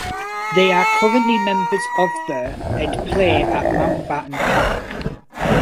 They are currently members of the and play at Mountbatten Park.